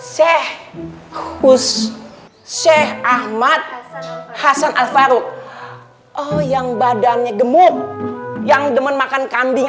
seh khusus syekh ahmad hasan al farouk oh yang badannya gemuk yang demen makan kambing